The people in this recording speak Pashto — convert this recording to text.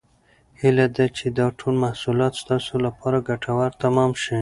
هیله ده چې دا ټول معلومات ستاسو لپاره ګټور تمام شي.